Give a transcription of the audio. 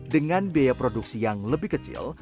dengan biaya produksi yang lebih kecil